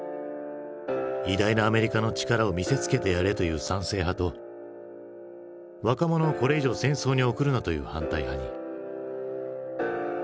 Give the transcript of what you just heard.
偉大なアメリカの力を見せつけてやれという賛成派と若者をこれ以上戦争に送るなという反対派に。